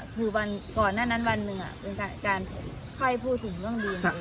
คือก่อนนั้นวันนึงเป็นการไข้ผู้ถุมเรื่องดี